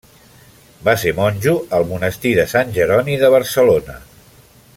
Va ser monjo al monestir de Sant Jeroni de Barcelona.